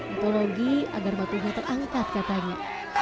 mitologi agar batunya terangkat katanya